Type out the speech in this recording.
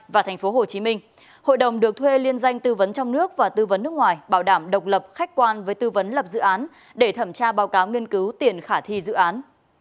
và thành phố hồ chí minh hội đồng được thuê liên danh tư vấn trong nước và tư vấn nước ngoài bảo đảm độc lập khách quan với tư vấn lập dự án để thẩm tra báo cáo nghiên cứu tiền khả thi dự án